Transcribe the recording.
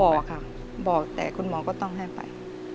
บอกค่ะบอกแต่คุณหมอก็ต้องให้ไป